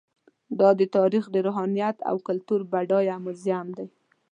دا د تاریخ، روحانیت او کلتور بډایه موزیم و.